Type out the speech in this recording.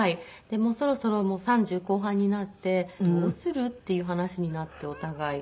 そろそろ三十後半になって「どうする？」っていう話になってお互い。